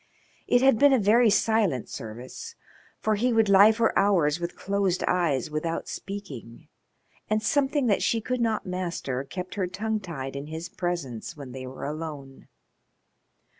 It had been a very silent service, for he would lie for hours with closed eyes without speaking, and something that she could not master kept her tongue tied in his presence when they were alone.